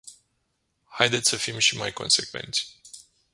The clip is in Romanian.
Haideți să fim și mai consecvenți.